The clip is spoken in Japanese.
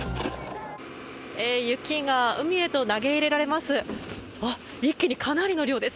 雪が海へと投げ入れられます。